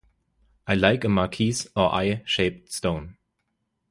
I like a marquise or eye-shaped stone.